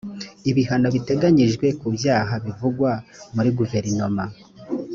ibihano biteganyijwe ku byaha bivugwa muri guverinoma.